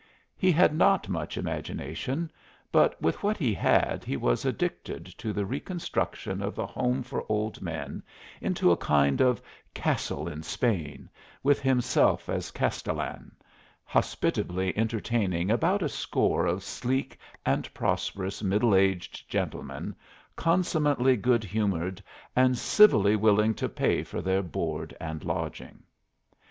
He had not much imagination, but with what he had he was addicted to the reconstruction of the Home for Old Men into a kind of "castle in Spain," with himself as castellan, hospitably entertaining about a score of sleek and prosperous middle aged gentlemen, consummately good humored and civilly willing to pay for their board and lodging.